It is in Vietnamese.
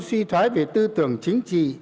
suy thoái về tư tưởng chính trị